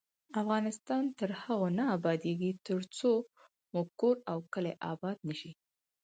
افغانستان تر هغو نه ابادیږي، ترڅو مو کور او کلی اباد نشي.